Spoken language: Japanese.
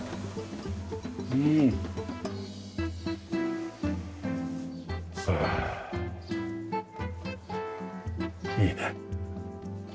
うーん。はあいいね。